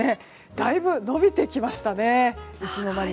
だいぶ延びてきましたね。